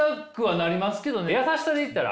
優しさでいったら？